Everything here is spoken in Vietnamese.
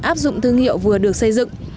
áp dụng thương hiệu vừa được xây dựng